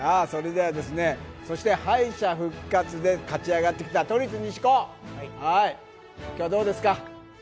そして敗者復活で勝ち上がってきた、都立西高、今日はどうですか？